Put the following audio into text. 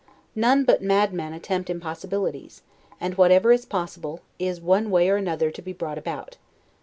None but madmen attempt impossibilities; and whatever is possible, is one way or another to be brought about.